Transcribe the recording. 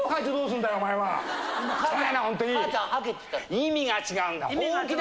意味が違うんだ。